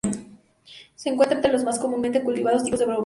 Se encuentran entre los más comúnmente cultivados tipos de bromelias.